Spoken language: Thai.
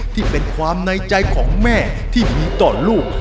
ที่เป็นความในใจของแม่ที่มีต่อลูก